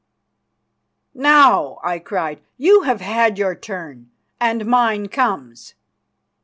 "Now," I cried, "you have had your turn, and mine comes."